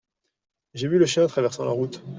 J’ai vu le chien traversant la route.